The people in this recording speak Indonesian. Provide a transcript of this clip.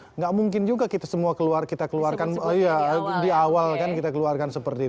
tidak mungkin juga kita semua di awal kita keluarkan seperti itu